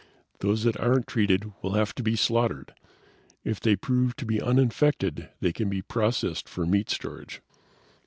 Those that aren't treated will have to be slaughtered. If they prove to be uninfected they can be processed for meat storage.